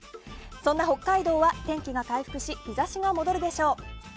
そんな北海道は天気が回復し日差しが戻るでしょう。